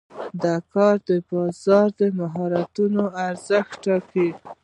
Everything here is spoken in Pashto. د کار بازار د مهارتونو ارزښت ټاکي.